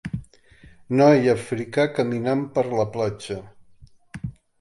Noi africà caminant per la platja.